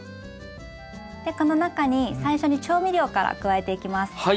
でこの中に最初に調味料から加えていきます。